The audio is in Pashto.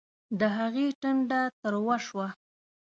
د هغې ټنډه تروه شوه